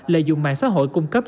lợi dụng mạng xã hội cung cấp